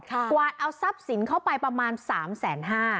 กวาดเอาทรัพย์สินเข้าไปประมาณ๓๕๐๐บาท